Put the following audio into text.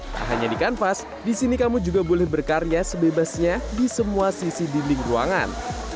tak hanya di kanvas di sini kamu juga boleh berkarya sebebasnya di semua sisi dinding ruangan